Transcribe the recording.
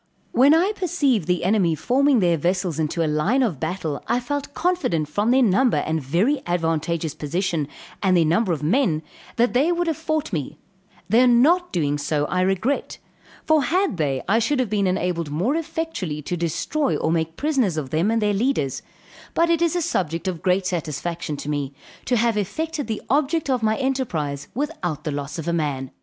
When I perceived the enemy forming their vessels into a line of battle I felt confident from their number and very advantageous position, and their number of men, that they would have fought me; their not doing so I regret; for had they, I should have been enabled more effectually to destroy or make prisoners of them and their leaders; but it is a subject of great satisfaction to me, to have effected the object of my enterprise, without the loss of a man.